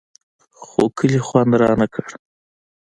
خو کلي خوند رانه کړ.